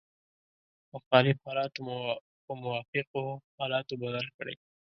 مخالف حالات په موافقو حالاتو بدل کړئ.